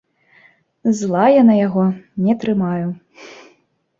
Зла я на яго не трымаю.